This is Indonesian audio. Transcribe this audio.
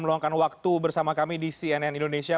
meluangkan waktu bersama kami di cnn indonesia